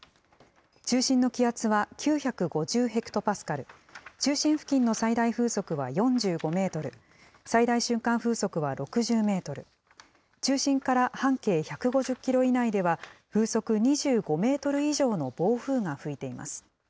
中心の気圧は９５０ヘクトパスカル、中心付近の最大風速は４５メートル、最大瞬間風速は６０メートル、中心から半径１５０キロ以内では風速２５メートル以上の暴風が吹いています。